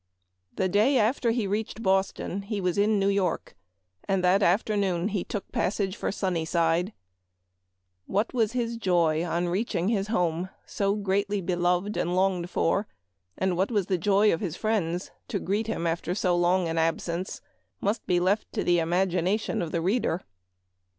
The day after he reached Boston he was in New York, and that afternoon he took passage for Sunnyside, What was his joy on reaching his home so greatly " beloved and longed for," and what was the joy of his friends to greet him after so long an absence, must be left to the imagination of the reader.